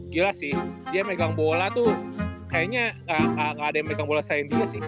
gila sih dia megang bola tuh kayaknya gak ada yang megang bola sain juga sih